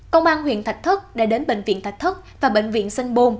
công an huyện tạch thất đã đến bệnh viện tạch thất và bệnh viện sơn bồn